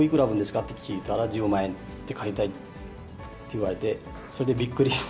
って聞いたら、１０万円買いたいって言われて、それでびっくりして。